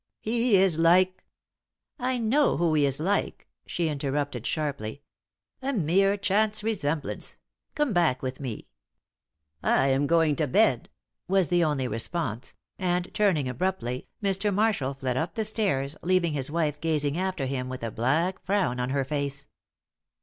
"He is like " "I know who he is like," she interrupted, sharply. "A mere chance resemblance. Come back with me." "I am going to bed," was the only response, and, turning abruptly, Mr. Marshall fled up the stairs, leaving his wife gazing after him with a black frown on her face.